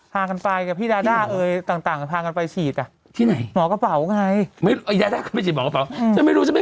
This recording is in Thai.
พารณ์ไฟแล้วพี่ราดาเอ๋ยต่างห้างไปฉีดอ่ะที่หมากเบาก่อนไงไหวจะไม่หรูว่าไม่